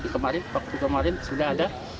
kemarin waktu kemarin sudah ada